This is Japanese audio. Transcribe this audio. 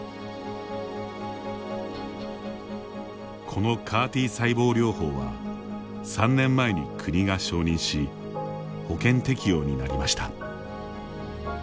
このＣＡＲ−Ｔ細胞療法は３年前に国が承認し保険適用になりました。